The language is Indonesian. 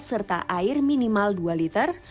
serta air minimal dua liter